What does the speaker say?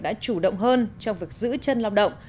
đã chủ động hơn trong việc giữ chân lao động